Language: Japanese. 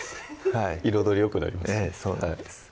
彩りよくなりますしそうなんです